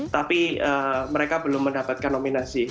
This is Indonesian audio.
tapi mereka belum mendapatkan nominasi